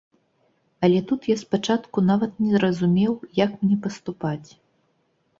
Але тут я спачатку нават не разумеў, як мне паступаць.